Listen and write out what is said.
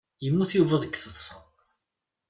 Yemmut Yuba deg taḍsa.